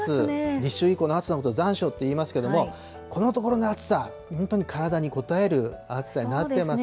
立秋以降の暑さを残暑といいますけども、このところの暑さ、本当に体にこたえる暑さになってます